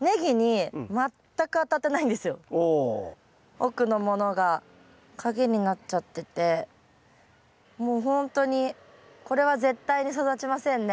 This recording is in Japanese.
奥のものが陰になっちゃっててもうほんとにこれは絶対に育ちませんね。